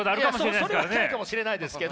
それはないかもしれないですけど！